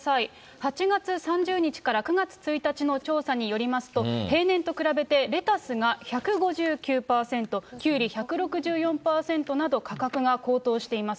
８月３０日から９月１日の調査によりますと、平年と比べてレタスが１５９％、きゅうり１６４％など、価格が高騰しています。